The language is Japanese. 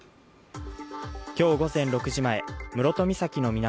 今日午前６時前室戸岬の南